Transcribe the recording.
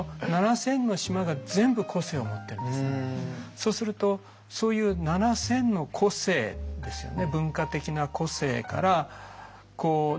そうするとそういう７，０００の個性ですよね。